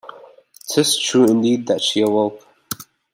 ’Tis true indeed that she awoke.